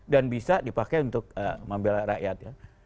dan bisa dipakai untuk membela rakyat